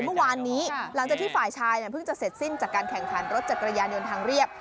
เมื่อวานนี้หลังจากที่ฝ่ายชายเพิ่งจะเสร็จสิ้นจากการแข่งขันรถจักรยานยนต์ทางเรียบ